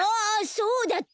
そうだった。